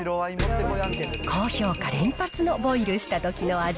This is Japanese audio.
高評価連発のボイルしたときの味。